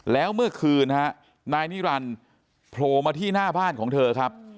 แล้วเมื่อคืนฮะนายนิรันดิ์โผล่มาที่หน้าบ้านของเธอครับ